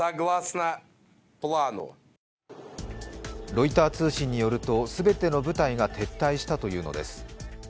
ロイター通信によるとすべての部隊が撤退したというのです。